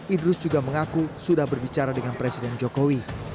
idrus juga mengaku sudah berbicara dengan presiden jokowi